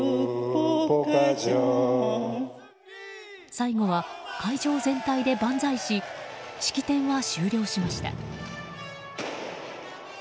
最後は会場全体で万歳し式典は終了しました。